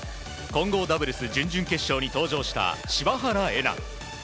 混合ダブルス準々決勝に登場した柴原瑛菜。